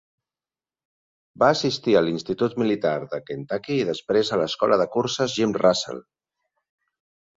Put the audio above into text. Va assistir a l'Institut Militar de Kentucky i després a l'Escola de Curses Jim Russell.